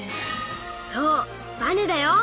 そうバネだよ！